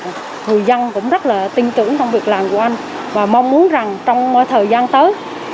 và người dân cũng rất là tin tưởng trong việc làm của anh và mong muốn rằng trong thời gian tới